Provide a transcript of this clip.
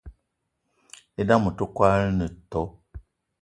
E'dam ote kwolo ene too